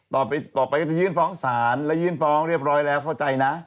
ต่อไปจะยื่นฟ้องสารแล้วยื่นฟ้องเรียบร้อยแล้วเข้าใจนะ